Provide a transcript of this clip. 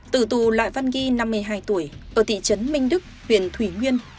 tử tù lại văn ghi năm mươi hai tuổi ở thị trấn minh đức huyện thủy nguyên